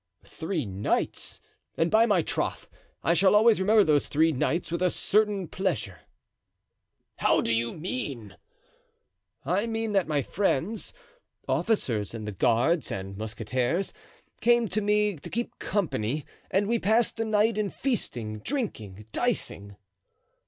"Three nights; and, by my troth, I shall always remember those three nights with a certain pleasure." "How do you mean?" "I mean that my friends, officers in the guards and mousquetaires, came to keep me company and we passed the night in feasting, drinking, dicing."